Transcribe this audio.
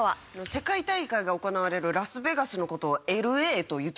世界大会が行われるラスベガスの事をＬＡと言ってくる事。